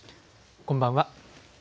こんばんは。